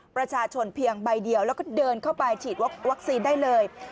ประชาชนเพียงใบเดียวแล้วก็เดินเข้าไปฉีดวัคซีนได้เลย